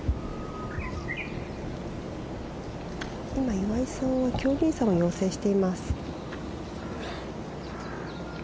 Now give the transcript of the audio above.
岩井さんは協議員さんを要請しています。